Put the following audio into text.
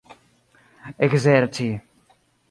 ekzerci